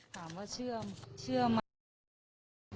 ถามว่าเชื่อไหมเชื่อไหม